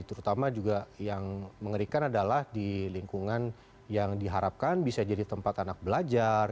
terutama juga yang mengerikan adalah di lingkungan yang diharapkan bisa jadi tempat anak belajar